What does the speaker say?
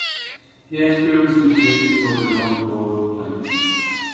She has previously played for Loughborough Lightning.